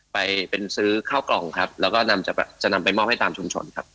ไปเป็นซื้อข้าวกล่องครับแล้วก็นำจะนำไปมอบให้ตามชุมชนครับ